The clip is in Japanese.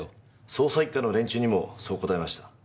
捜査一課の連中にもそう答えました。